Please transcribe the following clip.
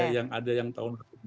yang ada yang tahun